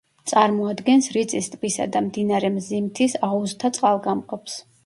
წარმოადგენს რიწის ტბისა და მდინარე მზიმთის აუზთა წყალგამყოფს.